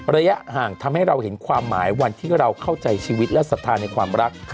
ระยะห่างทำให้เราเห็นความหมายวันที่เราเข้าใจชีวิตและศรัทธาในความรัก